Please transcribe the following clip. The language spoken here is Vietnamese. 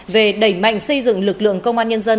về đẩy mạnh xây dựng lực lượng công an nhân dân